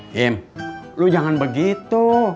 kim lo jangan begitu